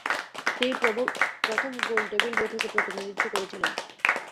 তিনি প্রথম গোলটেবিল বৈঠকে প্রতিনিধিত্ব করেছিলেন।